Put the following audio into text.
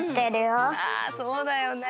あそうだよね。